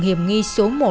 hiểm nghi số một